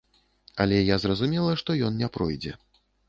Але я разумела, што ён не пройдзе.